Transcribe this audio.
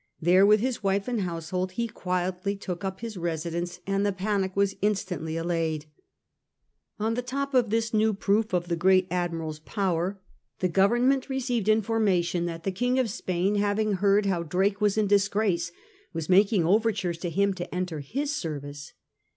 There with his wife and household he quietly took up his residence and the panic was instantly allayed.^ On the top of this new proof of the great admiral's power the ^ Lands, MSB. Ixv. 11 xiiT IN DISGRACE 191 Government received information that the King of Spain, having heard how Drake was in disgrace, was making overtures to him to enter his service.